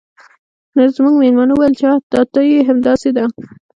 زموږ میلمه وویل چې آه دا ته یې همداسې ده